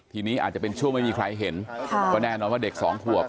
ทีนี้อาจจะเป็นช่วงไม่มีใครเห็นก็แน่นอนว่าเด็กสองขวบ